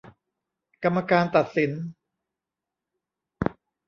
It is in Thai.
กรรมการตัดสิน